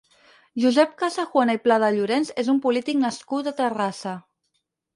Josep Casajuana i Pladellorens és un polític nascut a Terrassa.